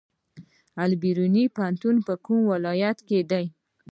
البیروني پوهنتون په کوم ولایت کې دی؟